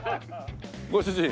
ご主人。